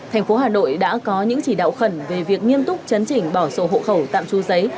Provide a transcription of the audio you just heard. thành phố hà nội đã có những chỉ đạo khẩn về việc nghiêm túc chấn chỉnh bỏ sổ hộ khẩu tạm chú giấy